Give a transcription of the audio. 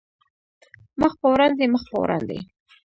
مخ په وړاندې، مخ په وړاندې